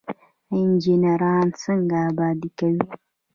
انجنیران څنګه ابادي کوي؟